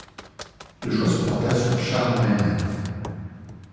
Le choix se porta sur Charles Weymann.